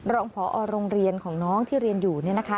รองพอโรงเรียนของน้องที่เรียนอยู่เนี่ยนะคะ